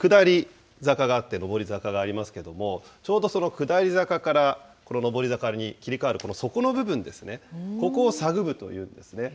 これ、下り坂があって上り坂がありますけども、ちょうど下り坂から、この上り坂に切り替わる底の部分ですね、ここをサグ部というんですね。